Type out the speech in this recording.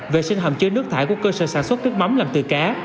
vệ sinh hầm chứa nước thải của cơ sở sản xuất nước mắm làm từ cá